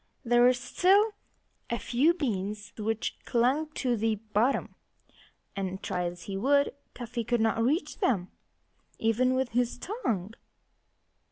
There were still a few beans which clung to the bottom; and try as he would, Cuffy could not reach them, even with his tongue.